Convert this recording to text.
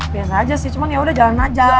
biasa aja sih cuman yaudah jalan aja